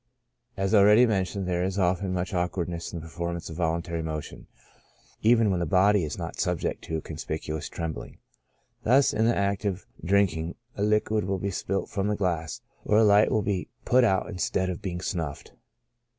As al ready mentioned, there is often much awkwardness in the performance of voluntary motion, even when the body is not subject to a conspicuous trembling ; thus, in the act of drinking, a liquid will be spilt from the glass ; or a light will be put out instead of being snufFed.